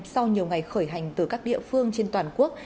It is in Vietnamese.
sau nhiều ngày khởi hành từ các địa phương trên toàn quốc